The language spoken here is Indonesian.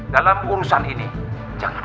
dalam urusan ini jangan